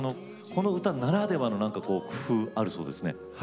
この歌ならではの工夫があるそうですね。